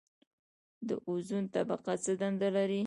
د اوزون طبقه څه دنده لري؟